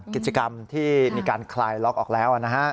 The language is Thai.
กิจกรรมที่มีการคลายล็อกออกแล้วนะฮะ